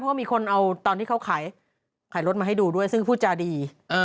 เพราะมีคนเอาตอนที่เขาขายรถมาให้ดูด้วยซึ่งพูดจาดี